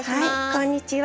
こんにちは。